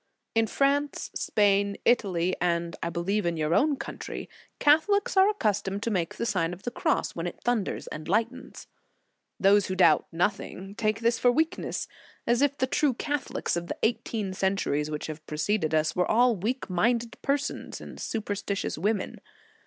In France, Spain, Italy, and I believe in your own country, Catholics are accustomed to make the Sign of the Cross when it thun ders and lightens. Those who doubt nothing, take this for weakness, as if the true Catho lics of the eighteen centuries which have preceded us, were all weak minded persons and superstitious women.